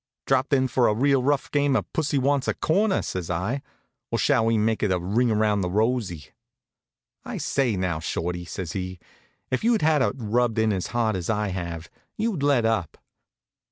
"Dropped in for a real rough game of pussy wants a corner," says I, "or shall we make it ring around the rosy?" "I say, now, Shorty," says he, "if you'd had it rubbed in as hard as I have, you'd let up."